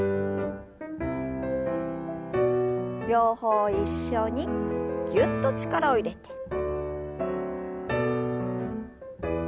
両方一緒にぎゅっと力を入れて。